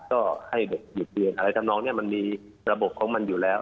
ก็ให้เด็กหยุดเรียนแต่ว่าน้องมันมีระบบของมันอยู่แล้ว